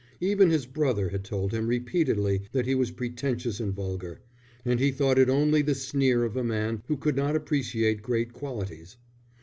Even his brother had told him repeatedly that he was pretentious and vulgar, and he thought it only the sneer of a man who could not appreciate great qualities.